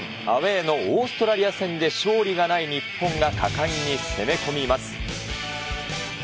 アウエーのオーストラリア戦で勝利がない日本が果敢に攻め込みます。